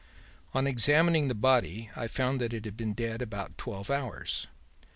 "'On examining the body, I found that it had been dead about twelve hours.